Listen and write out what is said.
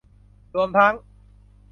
รวมทั้ง